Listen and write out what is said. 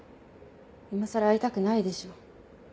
今更会いたくないでしょ。